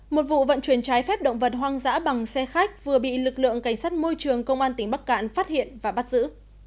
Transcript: một vụ vận chuyển trái phép động vật hoang dã bằng xe khách vừa bị lực lượng cảnh sát môi trường công an tỉnh bắc cạn phát hiện và bắt giữ